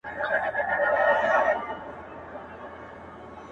• هغه چي تل به وېرېدلو ځیني ,